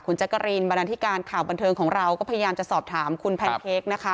แจ๊กกะรีนบรรดาธิการข่าวบันเทิงของเราก็พยายามจะสอบถามคุณแพนเค้กนะคะ